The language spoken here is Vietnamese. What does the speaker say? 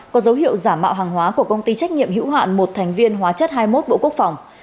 có dấu hiệu giả mạo hàng hóa của công ty trách nhiệm hữu hạn một thành viên hóa chất hai mươi một bộ quốc phòng